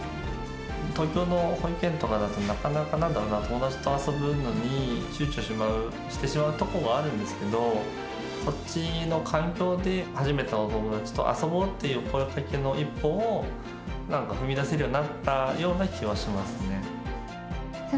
東京の保育園とかだと、なかなかなんだろうな、友達と遊ぶのにちゅうちょしてしまうところがあるんですけど、こっちの環境で初めてのお友達と、遊ぼうっていう声かけの一歩を、なんか踏み出せるようになった気はしますね。